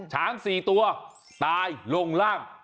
ช้าง๔ตัวตายลงล่าง